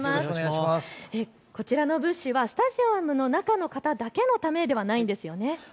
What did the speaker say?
こちらの物資はスタジアムの中の方だけのためではないんですよね。